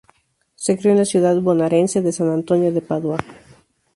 Se crio en la ciudad bonaerense de San Antonio de Padua.